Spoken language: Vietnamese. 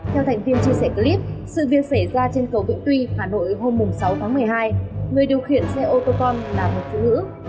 theo thành viên chia sẻ clip sự việc xảy ra trên cầu vĩnh tuy hà nội hôm sáu tháng một mươi hai người điều khiển xe ô tô con là một phụ nữ